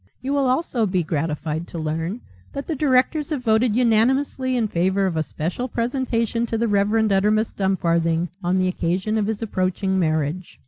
You will also be gratified to learn that the directors have voted unanimously in favour of a special presentation to the Rev. Uttermust Dumfarthing on the occasion of his approaching marriage.